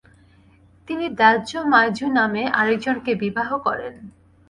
তিনি দ্যহ মায়জু নামে আরেকজনকে বিবাহ করেন।